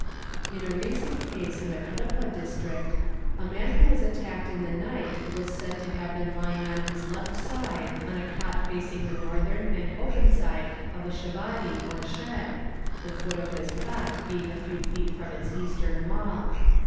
| Ina recent case in the Cuddapah District a man who was attacked in _ the night was said to have been lying on his left side on a cot facing the ' northern and open side of a chavadi or shed, the foot of his cot being a _ few feet from its eastern wall.